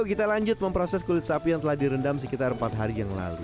kita lanjut memproses kulit sapi yang telah direndam sekitar empat hari yang lalu